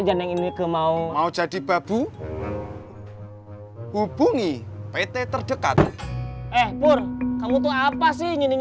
john lumayan buat moda kalau jadi pindah